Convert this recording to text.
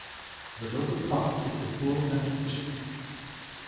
The local pub is the Bull and Butcher.